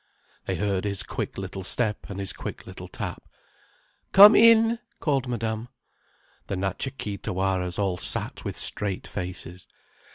They heard his quick little step and his quick little tap. "Come in," called Madame. The Natcha Kee Tawaras all sat with straight faces.